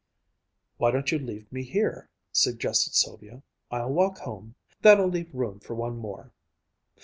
_" "Why don't you leave me here?" suggested Sylvia. "I'll walk home. That'll leave room for one more."